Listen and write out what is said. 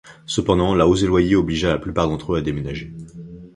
Cependant, la hausse des loyers obligea la plupart d'entre eux à déménager.